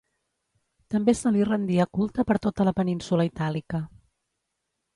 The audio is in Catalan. També se li rendia culte per tota la península Itàlica.